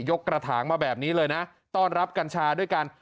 กระถางมาแบบนี้เลยนะต้อนรับกัญชาด้วยกัน